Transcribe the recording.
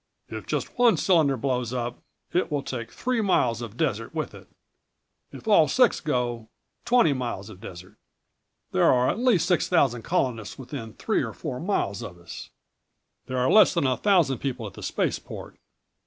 "If just one cylinder blows up it will take three miles of desert with it. If all six go ... twenty miles of desert. There are at least six thousand Colonists within three or four miles of us. There are less than a thousand people at the Spaceport.